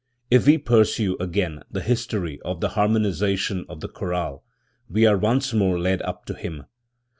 If we pursue, again, the history of the harmonisation of the chorale, we are once more led up to him.